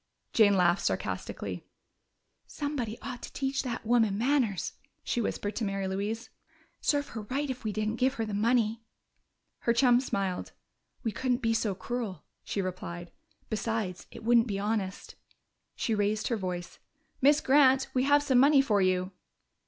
Jane laughed sarcastically. "Somebody ought to teach that woman manners," she whispered to Mary Louise. "Serve her right if we didn't give her the money!" Her chum smiled. "We couldn't be so cruel," she replied. "Besides, it wouldn't be honest." She raised her voice. "Miss Grant, we have some money for you."